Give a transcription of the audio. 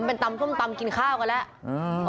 เป็นตำส้มตำกินข้าวกันแล้ว